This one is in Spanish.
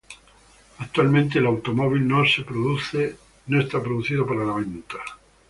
Actualmente el automóvil no es producido para la venta.